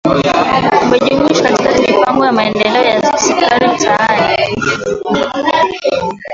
Umejumuisha katika mipango ya maendeleo ya serikali za mitaa